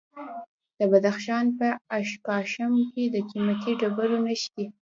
د بدخشان په اشکاشم کې د قیمتي ډبرو نښې دي.